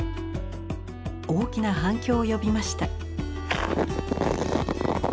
大きな反響を呼びました。